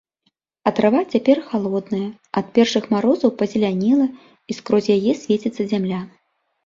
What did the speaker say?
А трава цяпер халодная, ад першых марозаў пазелянела, і скрозь яе свеціцца зямля.